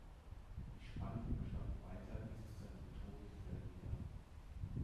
Die Spannungen bestanden weiter bis zu seinem Tod im selben Jahr.